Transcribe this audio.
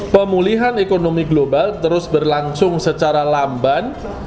pemulihan ekonomi global terus berlangsung secara lamban